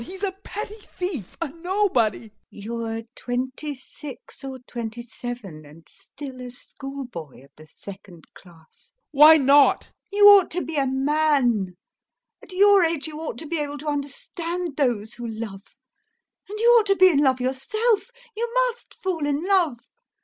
He's a petty thief, a nobody.... LUBOV. [Angry, but restrained] You're twenty six or twenty seven, and still a schoolboy of the second class! TROFIMOV. Why not! LUBOV. You ought to be a man, at your age you ought to be able to understand those who love. And you ought to be in love yourself, you must fall in love!